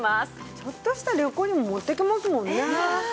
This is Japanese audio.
ちょっとした旅行にも持っていけますもんね。